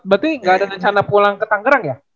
berarti nggak ada rencana pulang ke tangerang ya